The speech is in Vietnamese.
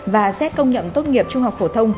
và xét công nhận tốt nghiệp trung học phổ thông